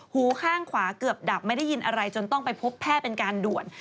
หูข้างขวาเกือบดับไม่ได้ยินอะไรจนต้องไปพบแพทย์เป็นการด่วน